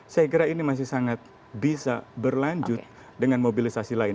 saya kira ini masih sangat bisa berlanjut dengan mobilisasi lain